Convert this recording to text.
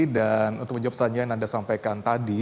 dan untuk menjawab pertanyaan yang anda sampaikan tadi